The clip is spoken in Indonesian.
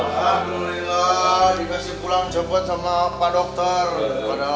terus lama di